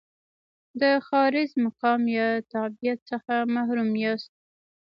د ښاریز مقام یا تابعیت څخه محروم یاست.